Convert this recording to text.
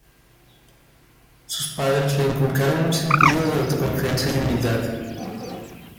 Sus padres le inculcaron un sentido de autoconfianza y humildad.